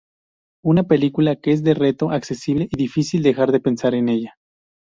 Una película que es un reto, accesible, y difícil dejar de pensar en ella.